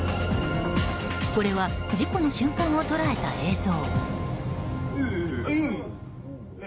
これは事故の瞬間を捉えた映像。